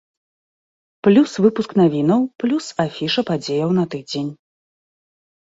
Плюс выпуск навінаў, плюс афіша падзеяў на тыдзень.